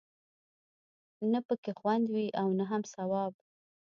نه پکې خوند وي او نه هم ثواب.